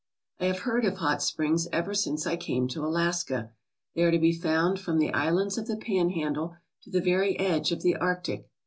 I have heard of hot springs ever since I came to Alaska. They are to be found from the islands of the Panhandle to the very edge of the Arctic.